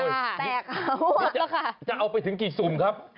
จะเอาไปถึงกี่ศูมิครับ